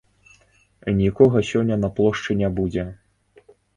Нікога сёння на плошчы не будзе.